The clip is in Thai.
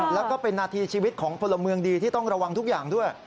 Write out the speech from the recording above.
แล้วก็เป็นนาทีชีวิตของพลเมืองดีที่ต้องระวังทุกอย่างด้วย